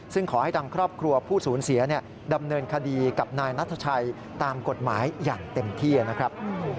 ซึ่งขอให้ทางครอบครัวผู้สูญเสียดำเนินคดีกับนายนัทชัยตามกฎหมายอย่างเต็มที่นะครับ